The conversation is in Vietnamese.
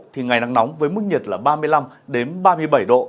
thì ngày nắng nóng với mức nhiệt là ba mươi năm đến ba mươi bảy độ